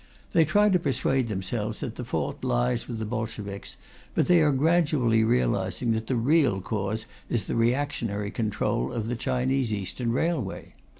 They try to persuade themselves that the fault lies with the Bolsheviks, but they are gradually realizing that the real cause is the reactionary control of the Chinese Eastern Railway.